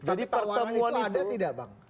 jadi pertemuan itu